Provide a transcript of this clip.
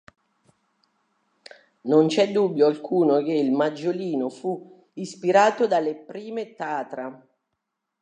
Non c'è dubbio alcuno che il Maggiolino fu ispirato dalle prime Tatra.